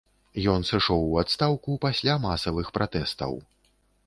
Ён сышоў у адстаўку пасля масавых пратэстаў.